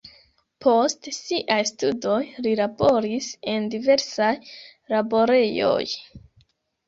Post siaj studoj li laboris en diversaj laborejoj.